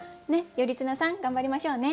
頼綱さん頑張りましょうね。